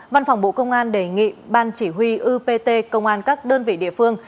văn phòng bộ công an đề nghị ban chỉ huy upt công an các đơn vị địa phương